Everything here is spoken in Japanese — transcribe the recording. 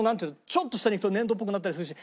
ちょっと下に行くと粘土っぽくなったりするし。